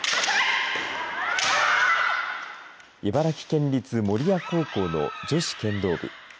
茨城県立守谷高校の女子剣道部。